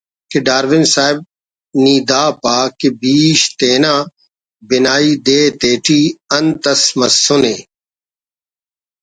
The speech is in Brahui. کہ ڈارون صاحب نی دا پا کہ بیش تینا بنائی دے تیٹی انت اس مسنے